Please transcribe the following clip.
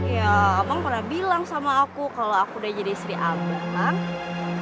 ya abang pernah bilang sama aku kalau aku udah jadi istri abang